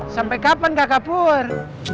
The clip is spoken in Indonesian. sampai kapan kakak pur